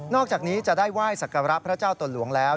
อกจากนี้จะได้ไหว้สักการะพระเจ้าตนหลวงแล้ว